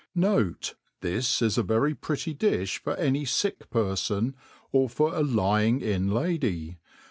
Note, This is a very pretty difli for any fick perfon, or for a lying in lady.